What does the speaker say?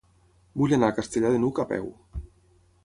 Vull anar a Castellar de n'Hug a peu.